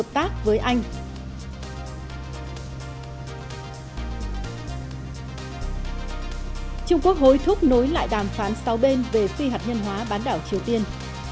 trung quốc hối thúc nối lại đàm phán sáu bên về phi hạt nhân hóa bán đảo triều tiên